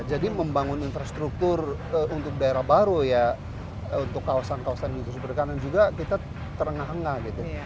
jadi membangun infrastruktur untuk daerah baru ya untuk kawasan kawasan industri perbatasan juga kita terengah engah gitu